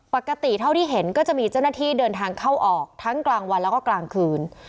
ปกติเท่าที่เห็นก็จะมีเจ้าหน้าที่เดินทางเข้าออกทั้งกลางวันแล้วก็กลางคืน